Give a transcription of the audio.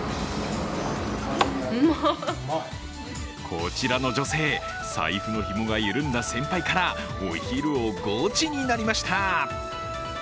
こちらの女性、財布のひもが緩んだ先輩からお昼をゴチになりました。